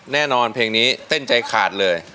แน่นอนเพลงนี้เต้นใจขาดเลย